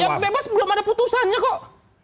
yang bebas belum ada putusannya kok